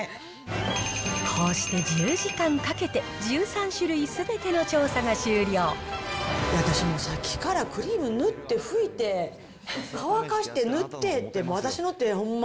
こうして１０時間かけて、私もさっきからクリーム塗って拭いて乾かして、塗ってって、私の手、ほんま